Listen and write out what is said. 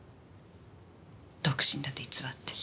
独身だと偽って。